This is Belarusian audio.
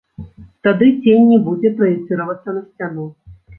Тады цень не будзе праецыравацца на сцяну.